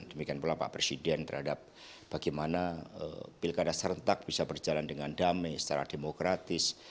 demikian pula pak presiden terhadap bagaimana pilkada serentak bisa berjalan dengan damai secara demokratis